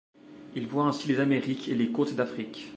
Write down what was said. Il voit ainsi les Amériques et les côtes d'Afrique.